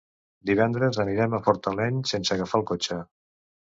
Divendres anirem a Fortaleny sense agafar el cotxe.